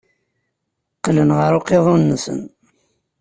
Qqlen ɣer uqiḍun-nsen.